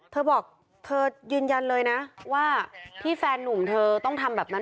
เธอบอกเธอยืนยันเลยนะว่าที่แฟนนุ่มเธอต้องทำแบบนั้น